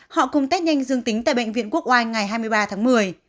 họ cùng test nhanh dương tính tại bệnh viện quốc oai ngày hai mươi ba tháng một mươi